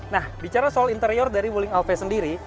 nah bicara soal interior dari wuling alves sendiri